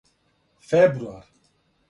фебруар